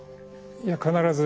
いや必ず。